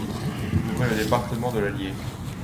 Il couvrait le département de l'Allier.